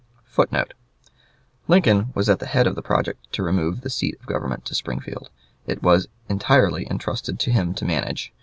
[Footnote: "Lincoln was at the head of the project to remove the seat of government to Springfield; it was entirely intrusted to him to manage.